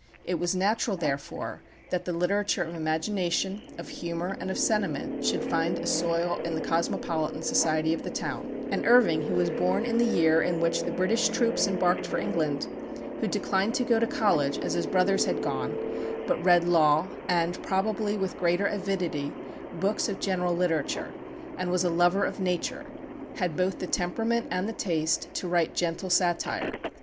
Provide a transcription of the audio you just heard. It was natural, therefore, that the literature of imagination, of humor, and of sentiment should find a soil in the cosmopolitan society of the town; and Irving, who was born in the year in which the British troops embarked for England, who declined to go to college, as his brothers had gone, but read law and, probably with greater avidity, books of general literature, and was a lover of nature, had both the temperament and the taste to write gentle satire.